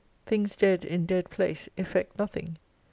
Things dead in dead place effect nothing.